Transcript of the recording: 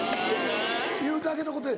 いうだけのことで。